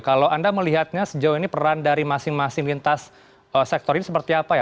kalau anda melihatnya sejauh ini peran dari masing masing lintas sektor ini seperti apa ya